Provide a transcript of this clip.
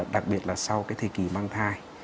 đặc biệt là sau thời kỳ mang thai